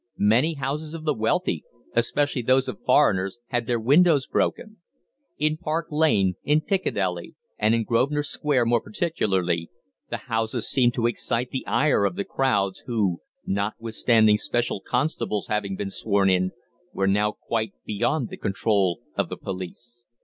Many houses of the wealthy, especially those of foreigners, had their windows broken. In Park Lane, in Piccadilly, and in Grosvenor Square more particularly, the houses seemed to excite the ire of the crowds, who, notwithstanding special constables having been sworn in, were now quite beyond the control of the police.